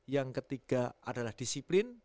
yang ketiga adalah disiplin